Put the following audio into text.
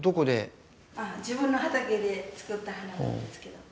自分の畑で作った花なんですけど。